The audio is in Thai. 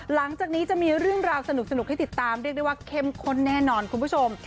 หลังจากนี้จะมีเรื่องราวสนุกให้ติดตามเรียกได้ว่าเข้มข้นแน่นอนคุณผู้ชม